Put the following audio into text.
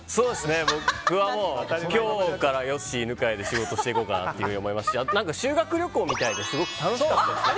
僕はもう今日からヨッシー犬飼で仕事していこうかなと思いますし修学旅行みたいですごく楽しかったですね。